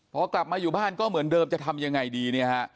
พอกลับมาอยู่บ้านก็เหมือนเดิมจะทำอย่างไรดี